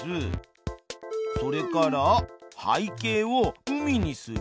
それから「背景を海にする」。